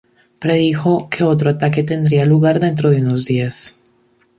Predijo otro que otro ataque tendría lugar dentro de unos días.